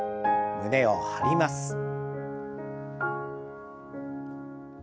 胸を張ります。